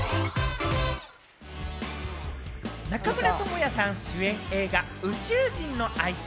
中村倫也さんの主演映画『宇宙人のあいつ』。